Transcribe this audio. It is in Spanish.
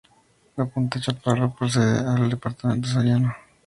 La punta Chaparro pertenece al departamento Soriano.